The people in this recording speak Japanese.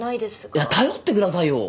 いや頼って下さいよ！